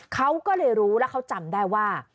เขาก็เลยรู้แล้วเขาจำได้ว่า